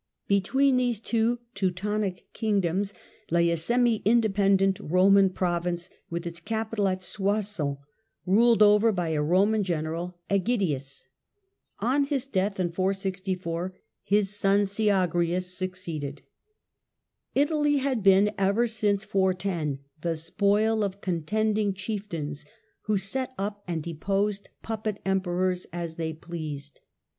Between these two Teu tonic kingdoms lay a semi independent Roman province with its capital at Soissons, ruled over by a Roman general, iEgidius. On his death, in 464, his son Syagrius succeeded. Italy Italy had been, ever since 410, the spoil of contending chieftains, who set up and deposed puppet emperors as they pleased.